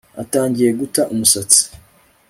Atangiye guta umusatsi